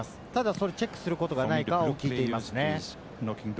それがチェックすることがないかを聞いています。